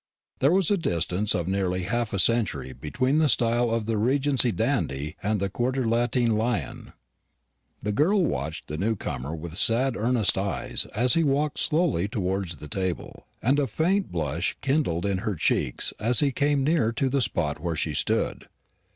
There was a distance of nearly half a century between the style of the Regency dandy and the Quartier Latin lion. The girl watched the new comer with sad earnest eyes as he walked slowly towards the table, and a faint blush kindled in her cheeks as he came nearer to the spot where she stood.